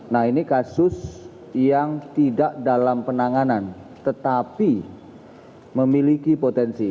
nah ini kasus yang tidak dalam penanganan tetapi memiliki potensi